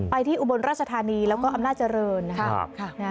ที่อุบลราชธานีแล้วก็อำนาจเจริญนะครับ